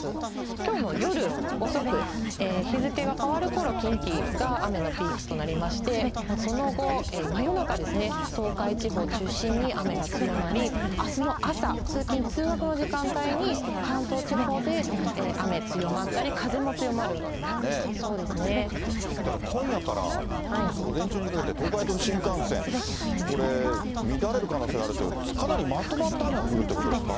きょうの夜遅く、日付が変わるころ、近畿が雨のピークとなりまして、その後、真夜中ですね、東海地方中心に、雨が強まり、あすの朝、通勤・通学の時間帯に、関東地方で雨強まったり、だから今夜から、あす午前中にかけて、東海道新幹線、これ、乱れる可能性があるという、かなりまとまった雨が降るということですか。